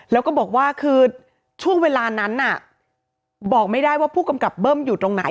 แล้วก็บอกว่าคือช่วงเวลานั้นน่ะบอกไม่ได้ว่าผู้กำกับเบิ้มอยู่ตรงไหน